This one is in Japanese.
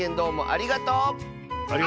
ありがとう！